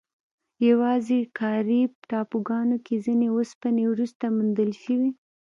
یواځې کارایب ټاپوګانو کې ځینې اوسپنې وروسته موندل شوې.